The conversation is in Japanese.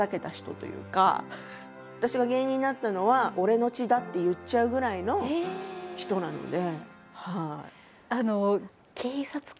私が芸人になったのは俺の血だって言っちゃうぐらいの人なので。